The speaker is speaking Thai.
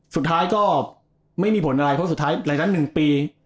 สุดท้ายก็ไม่มีผลอะไรเพราะสุดท้ายรายนั้น๑ปี